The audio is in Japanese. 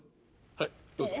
はいどうぞ。